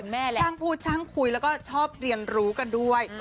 ช่างพูดช่างคุยแล้วก็ชอบเรียนรู้กันด้วย